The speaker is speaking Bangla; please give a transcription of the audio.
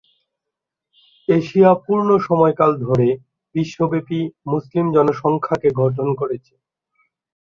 এশিয়া পূর্ণ সময়কাল ধরে বিশ্বব্যাপী মুসলিম জনসংখ্যাকে গঠন করেছে।